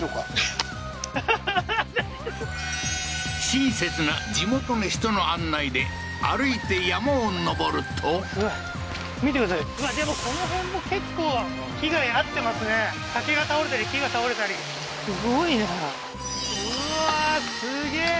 親切な地元の人の案内で歩いて山を上るとうわ見てくださいうわでもこの辺も結構被害遭ってますね竹が倒れたり木が倒れたりすごいなうわーすげえ